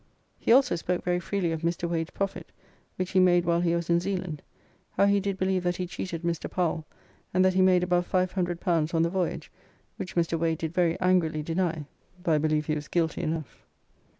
He also spoke very freely of Mr. Wades profit, which he made while he was in Zeeland, how he did believe that he cheated Mr. Powell, and that he made above L500 on the voyage, which Mr. Wade did very angrily deny, though I believe he was guilty enough.